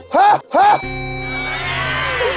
ฮึ่ะฮึ่ะ